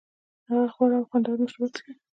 هغه غوره او خوندور مشروبات څښي